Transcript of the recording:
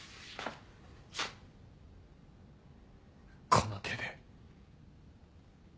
この手で。